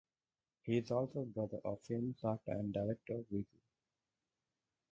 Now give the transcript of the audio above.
He is also brother of famous actor and director Visu.